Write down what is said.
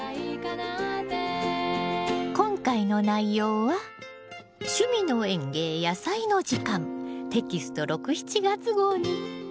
今回の内容は「趣味の園芸やさいの時間」テキスト６７月号に掲載されています。